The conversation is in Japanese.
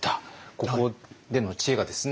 ここでの知恵がですね